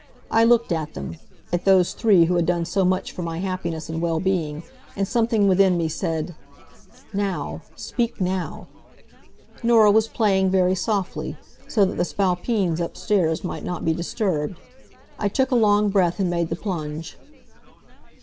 I looked at them at those three who had done so much for my happiness and well being, and something within me said: "Now! Speak now!" Norah was playing very softly, so that the Spalpeens upstairs might not be disturbed. I took a long breath and made the plunge.